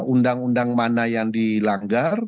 undang undang mana yang dilanggar